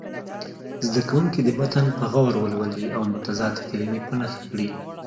زده کوونکي دې متن په غور ولولي او متضادې کلمې په نښه کړي.